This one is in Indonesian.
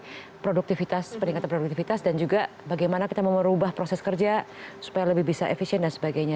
jadi produktivitas peningkatan produktivitas dan juga bagaimana kita mau merubah proses kerja supaya lebih bisa efisien dan sebagainya